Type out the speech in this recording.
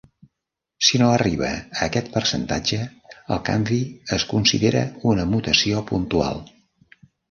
Si no arriba a aquest percentatge, el canvi es considera una mutació puntual.